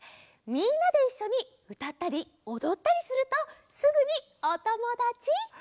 みんなでいっしょにうたったりおどったりするとすぐにおともだち！